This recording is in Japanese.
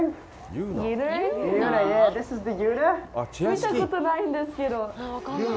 見たことないんですけど。